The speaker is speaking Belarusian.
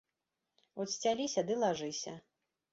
От сцяліся ды лажыся.